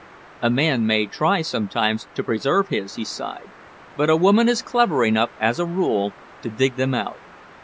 "A man may try sometimes to preserve his," he sighed, "but a woman is clever enough, as a rule, to dig them out."